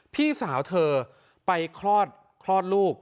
พี่สาวเธอไปคลอดลูก